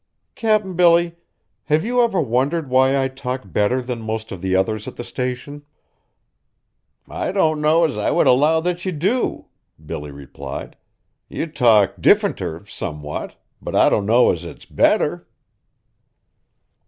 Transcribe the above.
"Cap'n Billy, have you ever wondered why I talk better than most of the others at the Station?" "I don't know as I would allow that ye do," Billy replied; "ye talk differenter, somewhat, but I don't know as it's better."